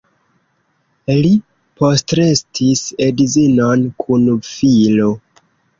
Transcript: Li postrestis edzinon kun filo.